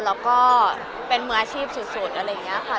แล้วก็เป็นมืออาชีพสุดอะไรอย่างนี้ค่ะ